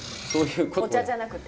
お茶じゃなくて？